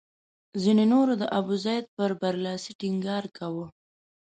ځینو نورو د ابوزید پر برلاسي ټینګار کاوه.